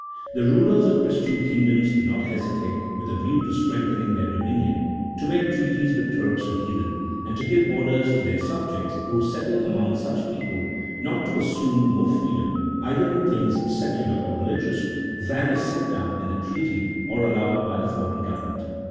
The rulers of Christian kingdoms do not hesitate, with a view to strengthening their dominion, to make treaties with Turks and heathen, and to give orders to their subjects who CHAP. XVI.] OF THE FOUNDATIONS OF A STATE. 213 settle among such peoples not to assume more freedom, either in things secular or religious, than is set down in the treaty, or allowed by the foreign government.